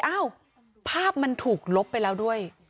อ้าวภาพมันถูกลบไปแล้วด้วย